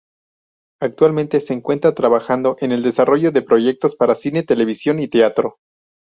Actualmente se encuentra trabajando en el desarrollo de proyectos para cine, televisión y teatro.